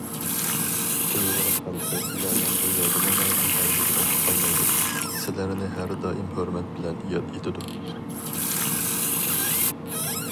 ئۇيغۇر خەلقى سىلەرنىڭ بۇ ياردىمىڭلارنى ھەرگىز ئۇنتۇپ قالمايدۇ، سىلەرنى ھەر دائىم ھۆرمەت بىلەن ياد ئېتىدۇ.